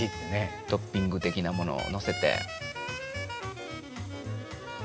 トッピング的なものをのせて。